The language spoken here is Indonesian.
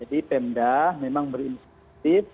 jadi pemda memang berinisiatif